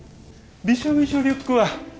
びしょびしょリュックは。